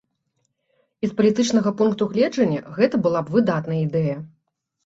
І з палітычнага пункту гледжання гэта была б выдатная ідэя.